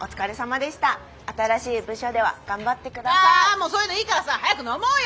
もうそういうのいいからさ早く飲もうよ！